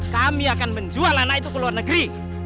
kami akan menjual anak itu ke luar negeri